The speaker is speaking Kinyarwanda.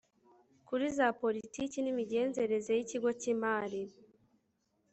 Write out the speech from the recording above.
kuri za politiki n imigenzereze y ikigo cy imari